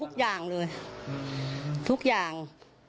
ทุกอย่างเลยทุกอย่าง